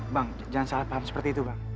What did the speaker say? bang jangan salah paham seperti itu bang